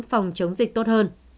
phòng chống dịch tốt hơn